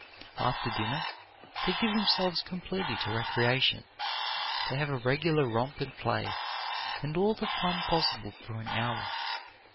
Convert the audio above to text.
After dinner, they give themselves completely to recreation. They have a regular romp and play, and all the fun possible for an hour.